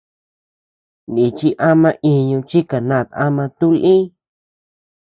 Nichi ama íñuu chi kanát ama tuʼu lï.